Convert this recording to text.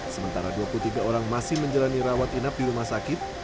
sementara dua puluh tiga orang masih menjalani rawat inap di rumah sakit